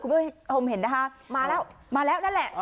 คุณบิ๊ยสมเห็นเหรอคะมาแล้วมาแล้นนั่นแหละ